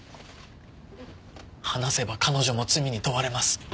話せば彼女も罪に問われます。